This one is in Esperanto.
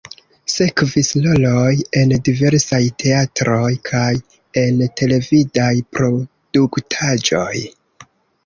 Sekvis roloj en diversaj teatroj kaj en televidaj produktaĵoj.